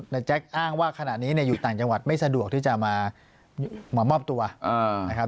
นายแจ็คอ้างว่าขณะนี้เนี่ยอยู่ต่างจังหวัดไม่สะดวกที่จะมามามอบตัวอ่า